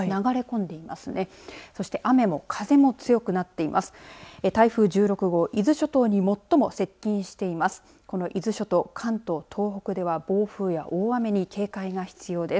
この伊豆諸島、関東、東北では暴風や大雨に警戒が必要です。